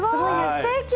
すてき！